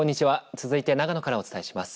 続いて長野からお伝えします。